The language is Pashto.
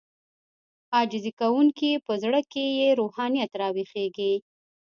عاجزي کوونکی په زړه کې يې روحانيت راويښېږي.